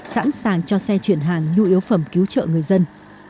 sẵn sàng cho xe chuyển hàng nhu yếu phẩm cứu trợ người dân